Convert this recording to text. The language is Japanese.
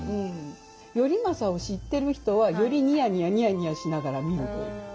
「頼政」を知ってる人はよりニヤニヤニヤニヤしながら見るという。